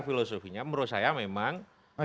filosofinya menurut saya memang